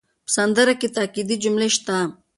په سندره کې تاکېدي جملې شته.